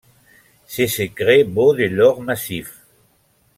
Ce secret vaut de l’or massif.